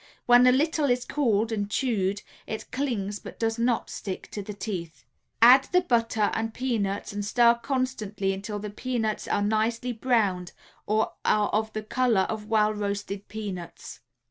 (when a little is cooled and chewed it clings but does not stick to the teeth) add the butter and peanuts and stir constantly until the peanuts are nicely browned (or are of the color of well roasted peanuts).